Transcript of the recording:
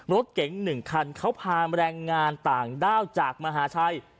รถเก๋ง๑คันเขาพาแรงงานต่างด้าวจากมหาชัย